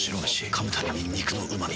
噛むたびに肉のうま味。